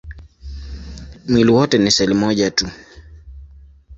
Mwili wote ni seli moja tu.